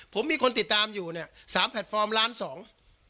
ผมมีคนติดตามอยู่เนี้ยสามแพลตฟอร์มล้านสอง